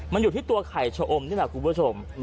มันอยู่ที่ตัวไข่ชะอมนี่แหละคุณผู้ชม